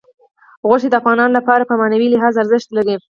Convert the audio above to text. غوښې د افغانانو لپاره په معنوي لحاظ ارزښت لري.